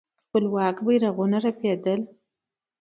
خپلواک بيرغونه رپېدل.